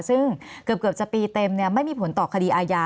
ซึ่งเกือบจะปีเต็มไม่มีผลต่อคดีอาญา